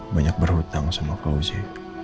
banyak berhutang sama pak fauzi